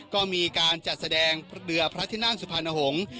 ก็มีการจัดแสดงเรือพระที่นั่งสุพรรณหงษ์